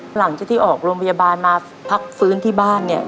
หลังจากที่ออกโรงพยาบาลมาพักฟื้นที่บ้านเนี่ย